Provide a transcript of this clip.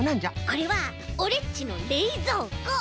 これはオレっちのれいぞうこ！